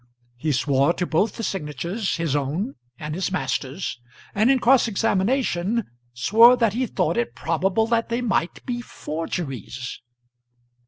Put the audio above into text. He swore to both the signatures his own and his master's; and in cross examination swore that he thought it probable that they might be forgeries.